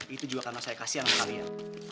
itu juga karena saya kasihan kalian